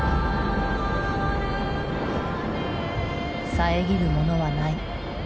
遮るものはない。